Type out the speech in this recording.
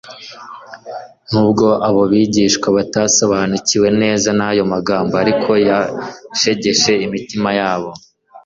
Nubwo abo bigishwa batasobanukiwe neza n'ayo magambo, ariko yacengcye imitima yabo.